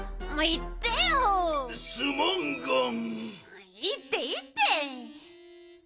いいっていいって。